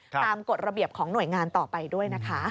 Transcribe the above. กฎระเบียบของหน่วยงานต่อไปด้วยนะคะ